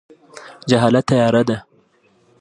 جهالت تیاره ده